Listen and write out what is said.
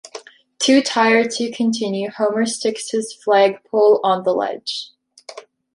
Too tired to continue, Homer sticks his flag pole on the ledge.